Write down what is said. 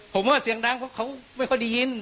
ผมว่าเสียงดังเพราะเขาไม่ค่อยได้ยิน